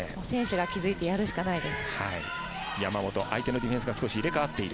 選手が気付いてやるしかないです。